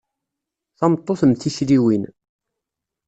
Tameṭṭut mm tikliwin.